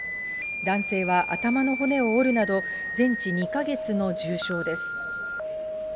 男性は頭の骨を折るなど、全治２か月の重傷です。